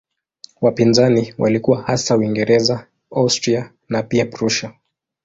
Wapinzani walikuwa hasa Uingereza, Austria na pia Prussia.